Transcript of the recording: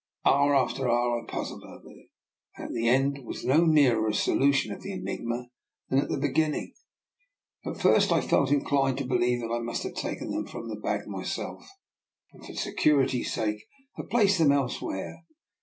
Hour after hour I puzzled over it, and at the end was no nearer a solution qf the enigma than at the begin ning. At first I felt inclined to believe that I must have taken them from the bag myself and for security's sake have placed them else where.